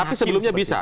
tapi sebelumnya bisa